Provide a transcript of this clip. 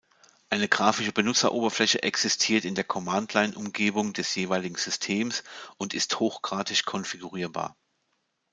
Eine grafische Benutzeroberfläche existiert in der Commandline-Umgebung des jeweiligen Systems und ist hochgradig konfigurierbar.